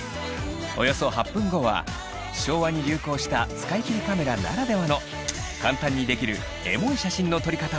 およそ８分後は昭和に流行した使い切りカメラならではの簡単にできるエモい写真の撮り方を紹介！